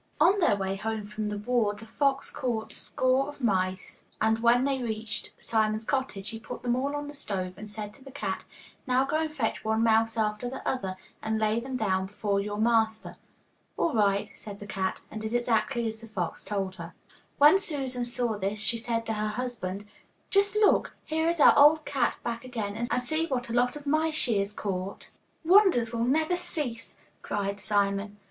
On their way home from the war the fox caught score of mice, and when they reached Simon's cottage he put them all on the stove and said to the cat, 'Now go and fetch one mouse after the other, and lay them down before your master.' 'All right,' said the cat, and did exactly as the fox told her. When Susan saw this she said to her husband, 'Just look, here is our old cat back again, and see what a lot of mice she has caught.' 'Wonders will never cease,' cried Simon.